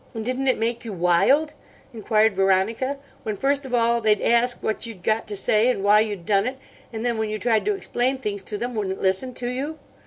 "And didn't it make you wild?" enquired Veronica, "when first of all they'd ask what you'd got to say and why you'd done it, and then, when you tried to explain things to them, wouldn't listen to you?"